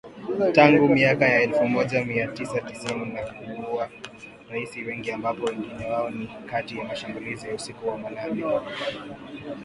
Tangu miaka ya elfu moja mia tisa tisini na kuua raia wengi ambapo wengi wao ni katika mashambulizi ya usiku wa manane.